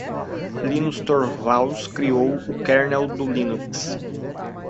Linus Torvalds criou o kernel do Linux.